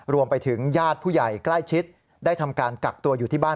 รวมไปถึงญาติผู้ใหญ่ใกล้ชิดได้ทำการกักตัวอยู่ที่บ้าน